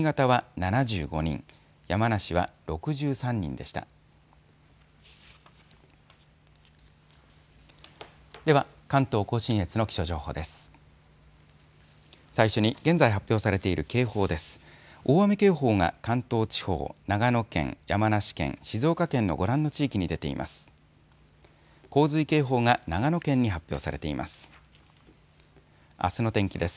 大雨警報が関東地方、長野県、山梨県、静岡県のご覧の地域に出ています。